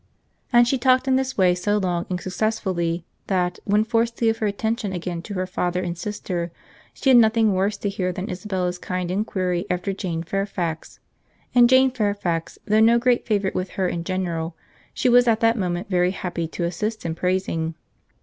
And she talked in this way so long and successfully that, when forced to give her attention again to her father and sister, she had nothing worse to hear than Isabella's kind inquiry after Jane Fairfax; and Jane Fairfax, though no great favourite with her in general, she was at that moment very happy to assist in praising.